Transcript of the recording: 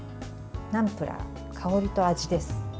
ナムプラー、香りと味です。